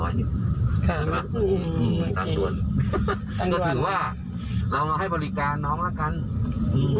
ค่ะใช่ไหมอืมตังค์วันตังค์วันถือว่าเราให้บริการน้องละกันอืม